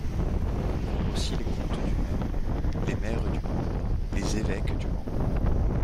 Voir aussi les comtes du Maine, les maires du Mans, les évêques du Mans.